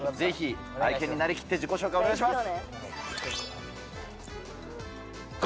愛犬になりきって自己紹介、お願いします。